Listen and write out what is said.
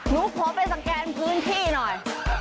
หนูขอไปสแกนพื้นที่หน่อย